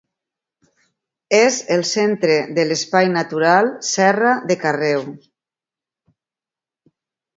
És el centre de l'Espai natural Serra de Carreu.